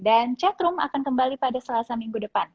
dan chatroom akan kembali pada selasa minggu depan